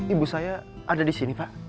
ibu saya ada disini pak